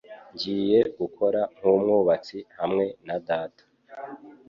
Ngiye gukora nk'umwubatsi hamwe na data